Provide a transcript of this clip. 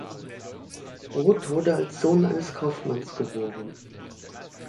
Roth wurde als Sohn eines Kaufmanns geboren.